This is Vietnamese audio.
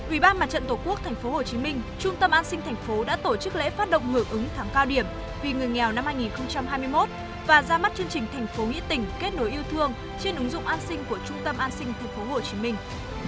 ủy ban mặt trận tổ quốc thành phố hồ chí minh trung tâm an sinh thành phố đã tổ chức lễ phát động ngưỡng ứng thắng cao điểm vì người nghèo năm hai nghìn hai mươi một và ra mắt chương trình thành phố nghĩa tỉnh kết nối yêu thương trên ứng dụng an sinh của trung tâm an sinh thành phố hồ chí minh